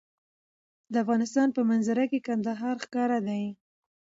د افغانستان په منظره کې کندهار ښکاره ده.